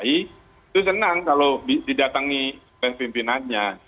itu senang kalau didatangi pimpinannya